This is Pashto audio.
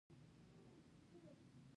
مذهب زموږ په ټولنه کې بله تابو ده.